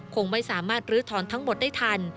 คงไม่สามารถลื้อถอนทั้งหมดได้ทัน